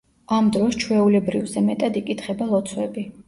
ამ დროს ჩვეულებრივზე მეტად იკითხება ლოცვები.